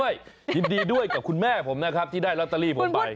ยินดีด้วยกับคุณแม่ผมนะครับที่ได้ลอตเตอรี่ผมไป